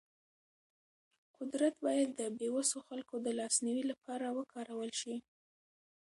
قدرت باید د بې وسو خلکو د لاسنیوي لپاره وکارول شي.